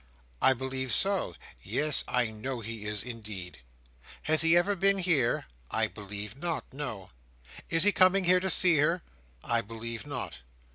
"I believe so. Yes; I know he is, indeed." "Has he ever been here?" "I believe not. No." "Is he coming here to see her?" "I believe not."